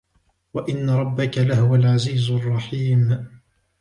وَإِنَّ رَبَّكَ لَهُوَ الْعَزِيزُ الرَّحِيمُ